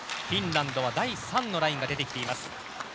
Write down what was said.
フィンランドは第３のラインが出てきています。